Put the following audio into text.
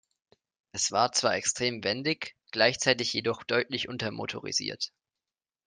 Es war zwar extrem wendig, gleichzeitig jedoch deutlich untermotorisiert.